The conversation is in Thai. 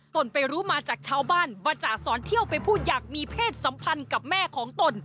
ตนไปรู้มาจากชาวบ้านว่าจ่าสอนเที่ยวไปพูดอยากมีเพศสัมพันธ์กับแม่ของตน